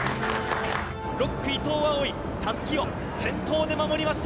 ６区、伊藤蒼唯、たすきを先頭で守りました。